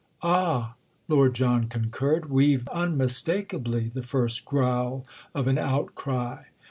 "Ah," Lord John concurred, "we've unmistakably the first growl of an outcry!"